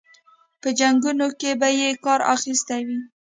په جنګونو کې به یې کار اخیستی وي.